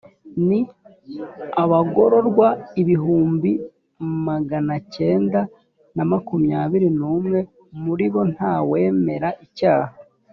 ni abagororwa ibihumbi bibiri na magana cyenda na makumyabiri n’umwe muri bo nta wemera icyaha